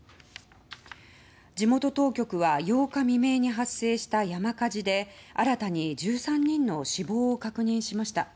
地元当局は８日未明に発生した山火事で新たに１３人の死亡を確認しました。